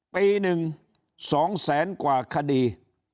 ปีหนึ่ง๒แสนกว่าคดี